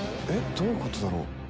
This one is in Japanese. どういうことだろう？